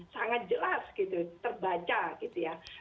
sangat jelas gitu terbaca gitu ya